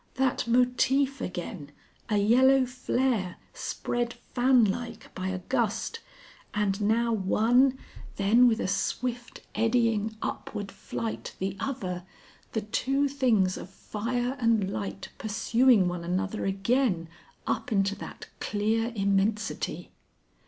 That motif again, a yellow flare, spread fanlike by a gust, and now one, then with a swift eddying upward flight the other, the two things of fire and light pursuing one another again up into that clear immensity.